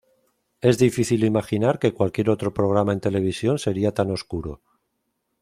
Es difícil imaginar que cualquier otro programa en televisión sería tan oscuro.